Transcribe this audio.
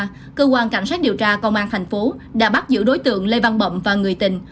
từ ngày hai mươi sáu tháng ba cơ quan cảnh sát điều tra công an thành phố đã bắt giữ đối tượng lê văn bậm và người tình